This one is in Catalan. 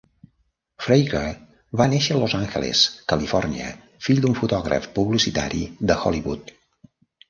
Fraker va néixer a Los Angeles, Califòrnia, fill d'un fotògraf publicitari de Hollywood.